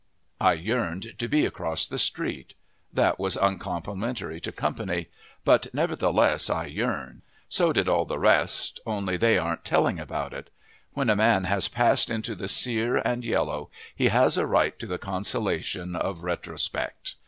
I yearned to be across the street. That was uncomplimentary to company, but nevertheless I yearned. So did all the rest, only they aren't telling about it. When a man has passed into the sere and yellow he has a right to the consolation of retrospect.